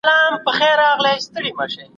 چي ښکاري موږکان ټوله و لیدله